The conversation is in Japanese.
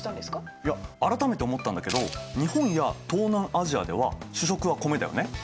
いや改めて思ったんだけど日本や東南アジアでは主食は米だよね。